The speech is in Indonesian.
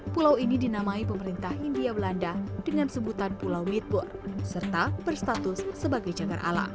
pulau ini dinamai pemerintah india belanda dengan sebutan pulau witboard serta berstatus sebagai jagar alam